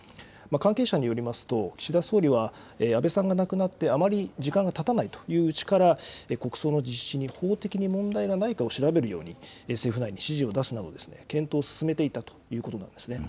関係者によりますと、岸田総理は安倍さんが亡くなってあまり時間が立たないといううちから国葬の実施に法的に問題がないかを調べるように、政府内に指示を出すなど、検討を進めていたということなんですね。